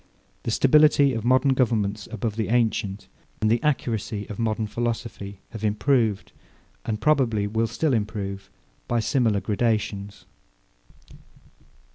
The stability of modern governments above the ancient, and the accuracy of modern philosophy, have improved, and probably will still improve, by similar gradations.